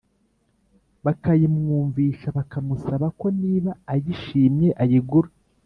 bakayimwumvisha bakamusaba ko niba ayishimye ayigura.